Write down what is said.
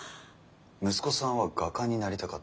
息子さんは画家になりたかったんですよね？